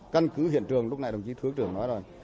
căn cứ hiện trường lúc này đồng chí thứ trưởng nói rồi